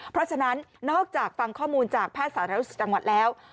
เพราะฉะนั้นนอกจากฟังข้อมูลจากแพทย์สาธารณสุขจังหวัดแล้ว